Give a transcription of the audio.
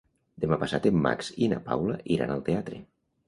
Demà passat en Max i na Paula iran al teatre.